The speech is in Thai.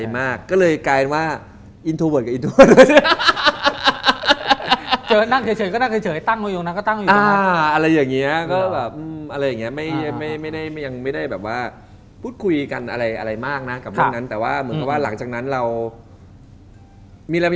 ไม่ใช่เล่นเอาจำนวนใช่มะ